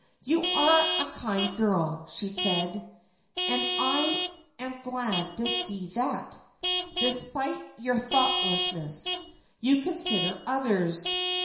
"You are a kind girl," she said, "and I am glad to see that despite your thoughtlessness you consider others.